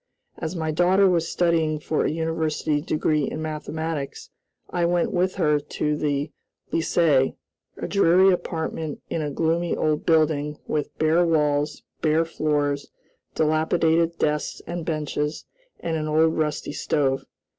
As my daughter was studying for a university degree in mathematics, I went with her to the Lycée, a dreary apartment in a gloomy old building with bare walls, bare floors, dilapidated desks and benches, and an old rusty stove.